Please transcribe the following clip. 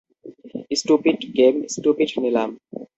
Stupid game stupid নিলাম।